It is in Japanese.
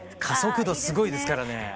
加速度すごいですからね。